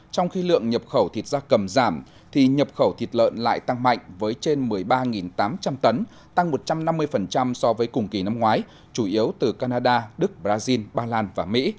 trong khi lượng nhập khẩu thịt da cầm giảm thì nhập khẩu thịt lợn lại tăng mạnh với trên một mươi ba tám trăm linh tấn tăng một trăm năm mươi so với cùng kỳ năm ngoái chủ yếu từ canada đức brazil ba lan và mỹ